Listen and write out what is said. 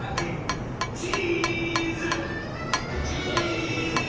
チーズ！チーズ！